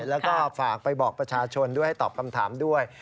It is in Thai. แล้วก็ฝากไปบอกประชาชนด้วยให้ตอบคำถามด้วย